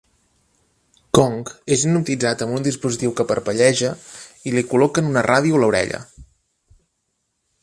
Kong és hipnotitzat amb un dispositiu que parpelleja i li col·loquen una ràdio a l'orella.